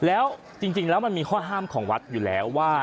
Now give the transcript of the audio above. แล้วจริงแล้วมันมีข้อห้ามของวัดอยู่แล้วว่า